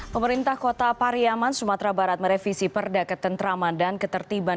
pemerintah kota pariyaman sumatera barat merevisi perdagatan teramadan ketertiban